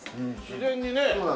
自然にねえ。